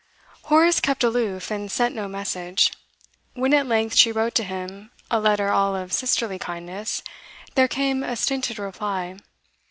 Horace kept aloof and sent no message. When at length she wrote to him a letter all of sisterly kindness, there came a stinted reply.